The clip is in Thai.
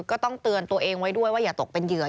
ก็ต้องเตือนตัวเองไว้ด้วยว่าอย่าตกเป็นเหยื่อ